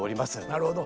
なるほど。